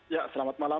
ya selamat malam